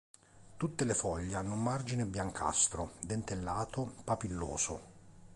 Tutte le foglie hanno un margine biancastro dentellato-papilloso.